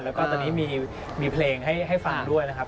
แล้วก็ตอนนี้มีเพลงให้ฟังด้วยนะครับ